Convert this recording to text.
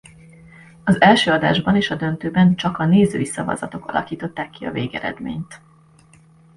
Az első adásban és a döntőben csak a nézői szavazatok alakították ki a végeredményt.